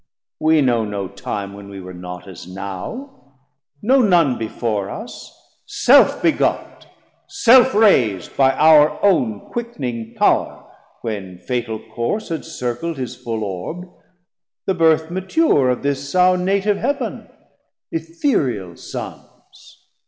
We know no time when we were not as now; Know none before us, self begot, self rais'd By our own quick'ning power, when fatal course Had circl'd his full Orbe, the birth mature Of this our native Heav'n, Ethereal Sons.